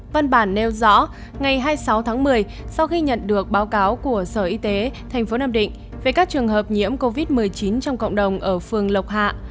văn bản nêu rõ ngày hai mươi sáu tháng một mươi sau khi nhận được báo cáo của sở y tế tp nam định về các trường hợp nhiễm covid một mươi chín trong cộng đồng ở phường lộc hạ